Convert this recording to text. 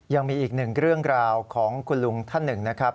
ยังมีอีกหนึ่งเรื่องราวของคุณลุงท่านหนึ่งนะครับ